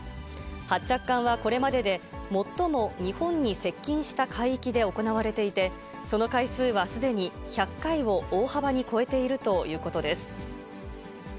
発着艦はこれまでで最も日本に接近した海域で行われていて、その回数はすでに１００回を大幅に超えているということです。